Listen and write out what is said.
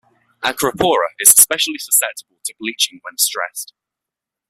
"Acropora" is especially susceptible to bleaching when stressed.